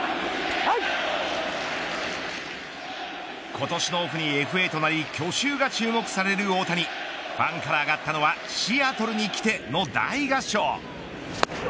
今年のオフにＦＡとなり去就が注目される大谷ファンから上がったのはシアトルに来ての大合唱。